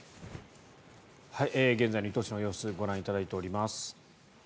現在の伊東市の様子ご覧いただいております。